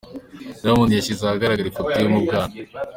Diamond yashyize ahagaragara ifoto ye yo mu bwana .